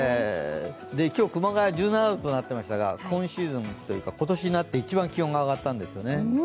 今日、熊谷は１７度となっていましたが、今シーズンというか今年になって一番気温が上がったんですよね。